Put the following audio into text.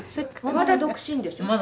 まだ独身です。